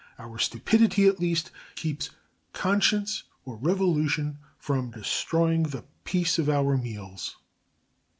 Our stupidity, at least, keeps conscience or revolution from destroying the peace of our meals.